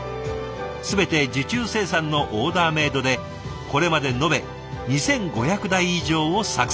全て受注生産のオーダーメードでこれまで延べ２，５００台以上を作成。